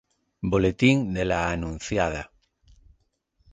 Boletín de la Anunciada".